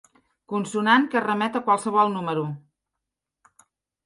Consonant que remet a qualsevol número.